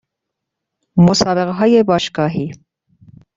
مسابقه های باشگاهی